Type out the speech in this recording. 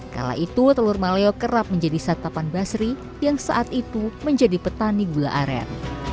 kala itu telur maleo kerap menjadi satapan basri yang saat itu menjadi petani gula aren